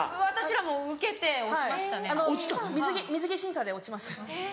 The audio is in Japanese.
私らも受けて落ちましたね。